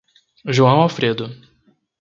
João Alfredo